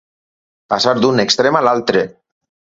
Passar d'un extrem a l'altre.